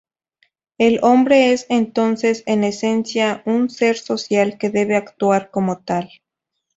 El hombre es entonces en esencia un ser social que debe actuar como tal.